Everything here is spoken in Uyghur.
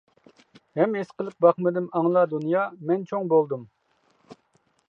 ھەم ھېس قىلىپ باقمىدىم ئاڭلا دۇنيا، مەن چوڭ بولدۇم!